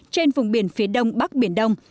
trên vùng biển phía đông bắc biển đông